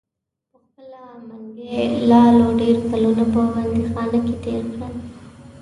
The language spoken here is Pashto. پخپله منګي لالو ډیر کلونه په بندیخانه کې تیر کړل.